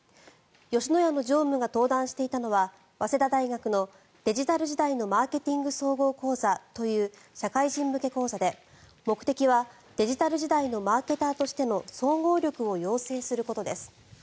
吉野家の常務が登壇していたのは早稲田大学の「デジタル時代のマーケティング総合講座」という社会人向け講座で目的はデジタル時代のマーケターとしての総合力を養成することです。